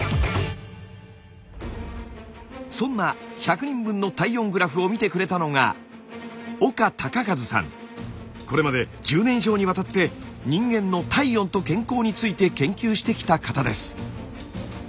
そんな１００人分の体温グラフを見てくれたのがこれまで１０年以上にわたって人間の体温と健康について研究してきた方です！